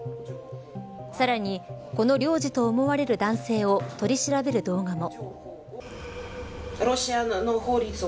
さらにこの領事と思われる男性を取り調べる動画も。